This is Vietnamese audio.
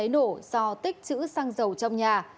tích chữ xăng dầu cháy nổ do tích chữ xăng dầu trong nhà